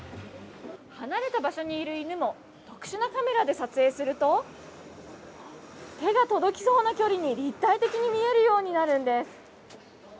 離れた場所にいる犬も特殊なカメラで撮影すると手が届きそうな距離に、立体的に見えるようになるんです。